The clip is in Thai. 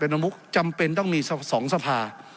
นุมุกจำเป็นต้องมี๒สภา